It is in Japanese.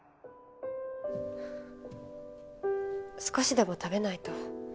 少しでも食べないと。